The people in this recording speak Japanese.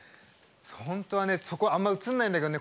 本当はねそこあんま映んないんだけどね